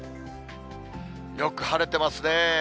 よく晴れてますね。